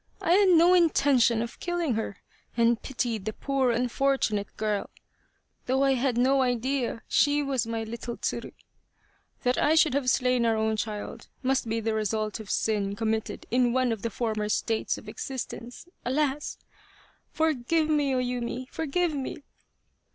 I had no intention of killing her and pitied the poor un fortunate girl, though I had no idea that she was my little Tsuru. That I should have slain our own child must be the result of sin committed in one of the former states of existence, alas ! Forgive me, O Yumi ! Forgive me